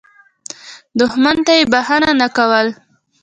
دښمن ته یې بخښنه نه کول.